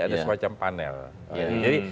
ada semacam panel jadi